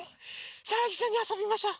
さあいっしょにあそびましょ！